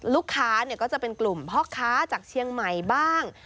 ลูกค้าก็จะเป็นกลุ่มพ่อค้าจากเชียงใหม่บ้าง